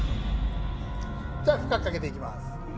では、深くかけていきます。